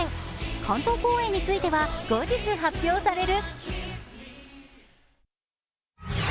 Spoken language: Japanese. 関東公演については後日発表される。